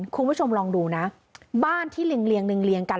คุณผู้ชมลองดูนะบ้านที่เรงเรียงเรืองเรียงกัน